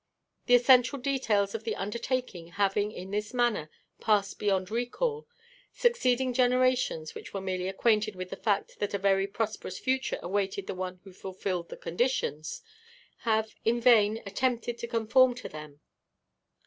The essential details of the undertaking having in this manner passed beyond recall, succeeding generations, which were merely acquainted with the fact that a very prosperous future awaited the one who fulfilled the conditions, have in vain attempted to conform to them.